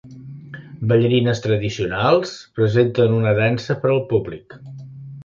Ballarines tradicionals, presenten una dansa per al públic.